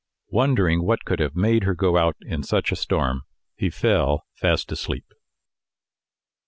Wondering what could have made her go out in such a storm, he fell fast asleep.